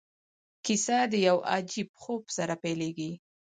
کیسه د یو عجیب خوب سره پیلیږي.